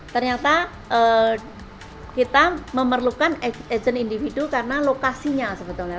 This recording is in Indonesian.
ternyata kita memerlukan agent individu karena lokasinya sebetulnya